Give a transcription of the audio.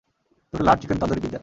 দুটো large chicken tandoori pizza.